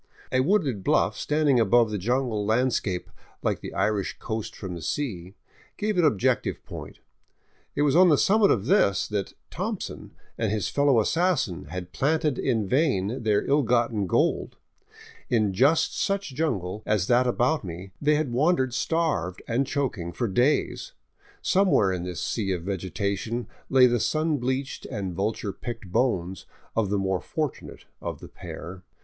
A wooded bluff standing above the jungle landscape, like the Irish coast from the sea, gave an objective point. It was on the summit of this that " Thompson " and his fellow assassin had planted in vain their ill gotten gold; in just such jungle as that about me they had wandered starved and choking for days; somewhere in this sea of vegetation lay the sun bleached and vulture picked bones of the more fortunate of the pair.